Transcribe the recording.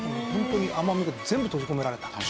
ホントに甘みが全部閉じ込められた。